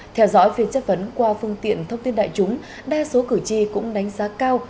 theo dõi phiên chất vấn qua phương tiện thông tin đại chúng đa số cử tri cũng đánh giá cao